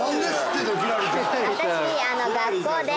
私学校で。